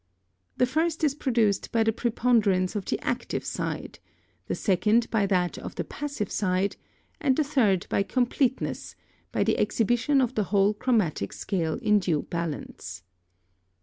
The first is produced by the preponderance of the active side, the second by that of the passive side, and the third by completeness, by the exhibition of the whole chromatic scale in due balance.